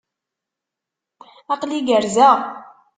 Aql-i gerrzeɣ.